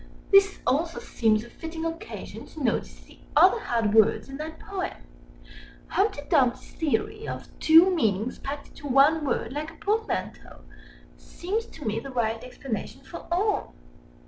This also seems a fitting occasion to notice the other hard words in that poem. Humpty Dumpty's theory, of two meanings packed into one word like a portmanteau, seems to me the right explanation for all.